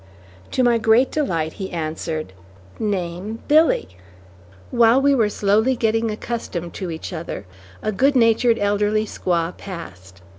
To my great delight, he answered, "Name, Billy." While we were slowly getting accustomed to each other, a good natured elderly squaw passed.